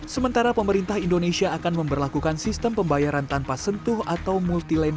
sementara pemerintah indonesia akan memperlakukan sistem pembayaran tanpa sentuh atau multi land